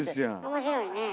面白いね。